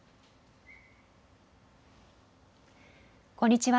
こんにちは。